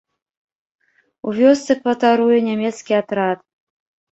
У вёсцы кватаруе нямецкі атрад.